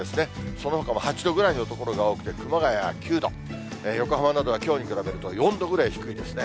そのほかも８度ぐらいの所が多くて、熊谷９度、横浜などはきょうに比べると４度ぐらい低いですね。